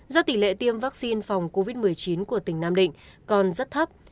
do tỷ lệ tiêm vaccine phòng covid một mươi chín của tỉnh nam định còn rất thấp